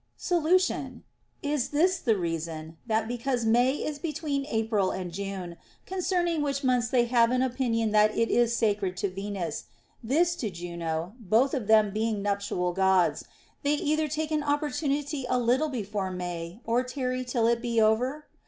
Solution. Is this the reason, that because May is between April and June, — concerning which months they have an opinion that that is sacred to Venus, this to Juno, both of them being nuptial Gods, — they either take an opportunity a little before May, or tarry till it be over